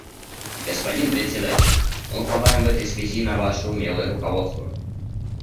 Господин Председатель, мы уповаем в этой связи на ваше умелое руководство.